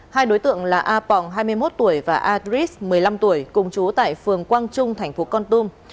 hai đối tượng là a pong hai mươi một tuổi và a dris một mươi năm tuổi cùng chú tại phường quang trung thành phố con tum